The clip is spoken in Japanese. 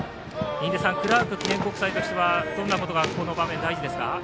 クラーク記念国際としてはどんなことがこの場面大事ですか。